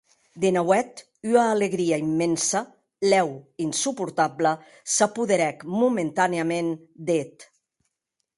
De nauèth ua alegria immensa, lèu insuportabla, s’apoderèc momentanèaments d’eth.